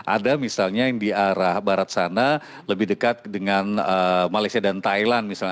ada misalnya yang di arah barat sana lebih dekat dengan malaysia dan thailand misalnya